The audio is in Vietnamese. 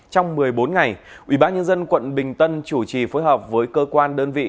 trong một mươi bốn ngày ủy ban nhân dân quận bình tân chủ trì phối hợp với cơ quan đơn vị